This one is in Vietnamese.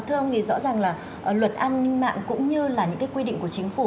thưa ông thì rõ ràng là luật ăn mạng cũng như là những cái quy định của chính phủ